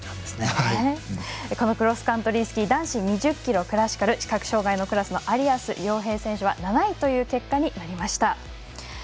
クロスカントリースキー男子２０ｋｍクラシカル視覚障がいのクラスの有安諒平選手は７位という結果になりました。